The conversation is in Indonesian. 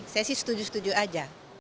saya sih setuju setuju aja